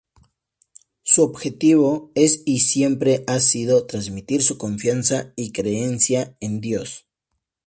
Su objetivo es y siempre ha sido transmitir su confianza y creencia en Dios.